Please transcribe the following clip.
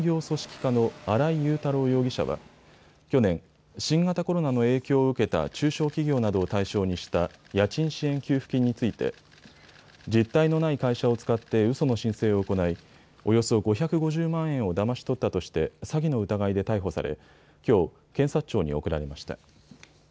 課の新井雄太郎容疑者は去年、新型コロナの影響を受けた中小企業などを対象にした家賃支援給付金について実体のない会社を使ってうその申請を行い、およそ５５０万円をだまし取ったとして詐欺の疑いで逮捕され、きょう検察庁に送られました。